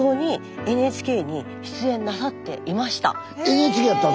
ＮＨＫやったん？